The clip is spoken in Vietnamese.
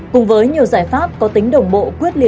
cùng với nhiều giải pháp có tính đồng bộ